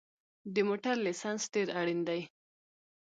د موټر لېسنس ډېر اړین دی